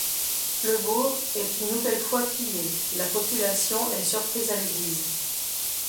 Le bourg est une nouvelle fois pillé, la population est surprise à l'église.